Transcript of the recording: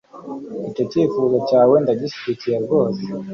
icyo cyifuzo cyawe ndagishyigikiye rwose.